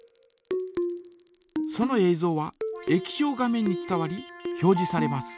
ぞうは液晶画面に伝わり表じされます。